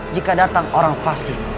jika datang orang fasik